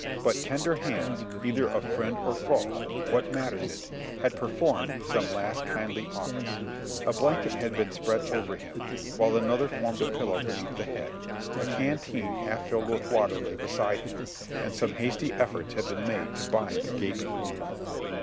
But tender hands — either of friend or foe — what matters it, had performed some last kindly ofiice ; a blanket had been spread over him, while another formed a pillow beneath the head ; a canteen half filled with water lay beside him, and some hasty efforts had been made to bind the gaping wound.